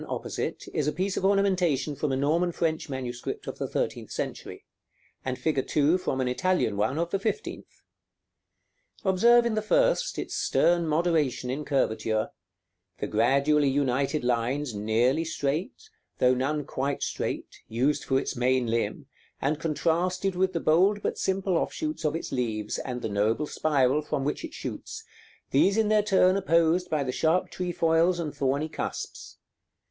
opposite, is a piece of ornamentation from a Norman French manuscript of the thirteenth century, and fig. 2 from an Italian one of the fifteenth. Observe in the first its stern moderation in curvature; the gradually united lines nearly straight, though none quite straight, used for its main limb, and contrasted with the bold but simple offshoots of its leaves, and the noble spiral from which it shoots, these in their turn opposed by the sharp trefoils and thorny cusps.